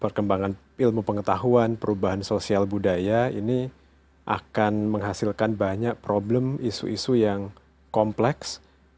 perkembangan ilmu pengetahuan perubahan sosial budaya ini akan menghasilkan banyak problem isu isu yang kompleks